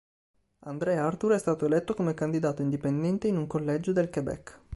André Arthur è stato eletto come candidato indipendente in un collegio del Quebec.